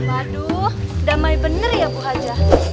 waduh damai bener ya pak haji